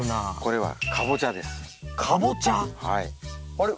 あれ？